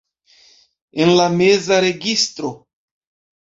En la meza registro.